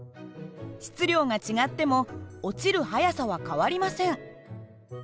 質量が違っても落ちる速さは変わりません。